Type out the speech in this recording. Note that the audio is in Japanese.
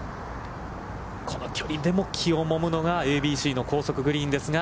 この距離でも気をもむのがＡＢＣの高速グリーンですが。